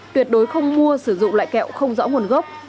tuyệt đối không mua sử dụng loại kẹo không rõ nguồn gốc